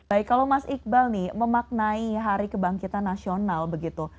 baik kalau mas iqbal nih memaknai hari kebangkitan nasional begitu